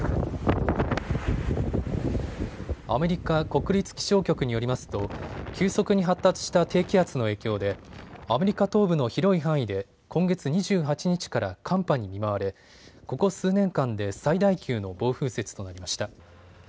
アメリカ国立気象局によりますと急速に発達した低気圧の影響でアメリカ東部の広い範囲で今月２８日から寒波に見舞われここ数年間で最大級の暴風雪となりました。